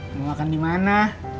mau makan dimana